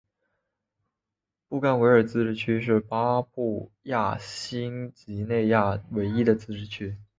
布干维尔自治区是巴布亚新几内亚唯一的自治区。